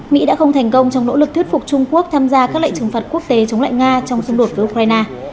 mỹ đã không thành công trong nỗ lực thuyết phục trung quốc tham gia các lệnh trừng phạt quốc tế chống lại nga trong xung đột với ukraine